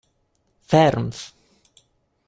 Ferms!